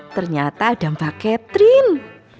ternyata ada mbak catherine